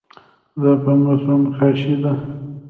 دا په مسو نقاشي ده.